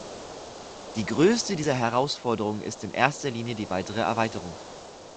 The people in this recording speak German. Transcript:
Die größte dieser Herausforderungen ist in erster Linie die weitere Erweiterung.